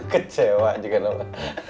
kecewa juga nama